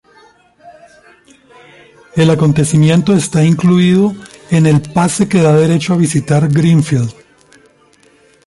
El acontecimiento está incluido en el pase que da derecho a visitar Greenfield.